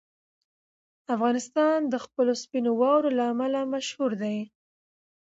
افغانستان د خپلو سپینو واورو له امله مشهور دی.